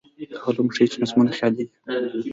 دا علوم ښيي چې نظمونه خیالي دي.